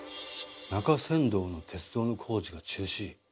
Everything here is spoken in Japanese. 中山道の鉄道の工事が中止。